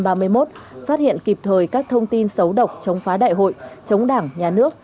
phát hiện kịp thời các thông tin xấu độc chống phá đại hội chống đảng nhà nước